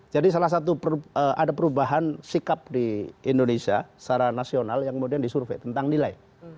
jadi salah satu ada perubahan sikap di indonesia secara nasional yang kemudian disurvei tentang nilai